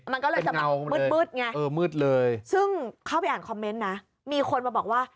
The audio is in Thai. มันก็เลยจะแบบมืดไงเออมืดเลยซึ่งเข้าไปอ่านคอมเมนต์นะมีคนมาบอกว่า